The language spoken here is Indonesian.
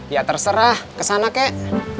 ya terserah kesana kek